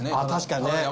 確かにね。